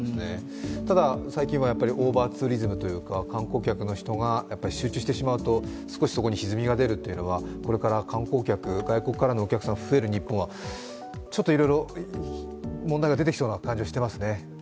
ただ、最近はオーバーツーリズムというか観光客の人が集中してしまうと少しそこにひずみが出るというのはこれから観光客、外国からのお客さん、増える日本はちょっといろいろ問題が出てきそうな感じがしてますね。